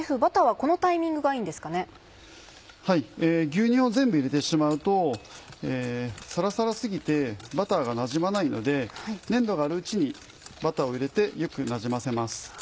はい牛乳を全部入れてしまうとサラサラ過ぎてバターがなじまないので粘度があるうちにバターを入れてよくなじませます。